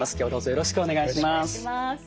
よろしくお願いします。